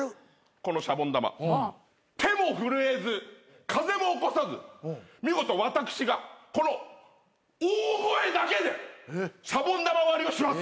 このシャボン玉手も震えず風も起こさず見事私がこの大声だけでシャボン玉割りをします。